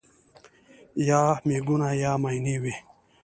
یا مېړونه یا ماينې وي